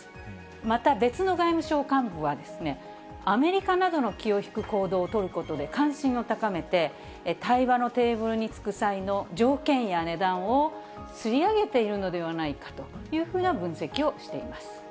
また別の外務省幹部は、アメリカなどの気を引く行動を取ることで関心を高めて、対話のテーブルに着く際の条件や値段をつり上げているのではないかというふうな分析をしています。